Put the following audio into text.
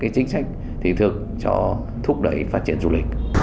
chính sách thị thực cho thúc đẩy phát triển du lịch